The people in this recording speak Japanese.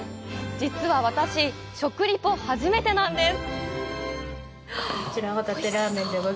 実は私、食リポ初めてなんです。